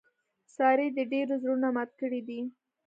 سارې د ډېرو زړونه مات کړي دي.